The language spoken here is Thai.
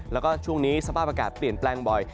แล้วก็ช่วงนี้สภาพอากาศเปลี่ยนแปลงบ่อย